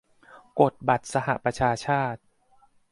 กฎบัตรสหประชาชาติ